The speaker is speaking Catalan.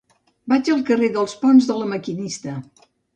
Vaig al carrer dels Ponts de La Maquinista.